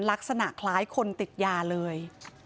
ลักษณะคล้ายคนติดยาเลย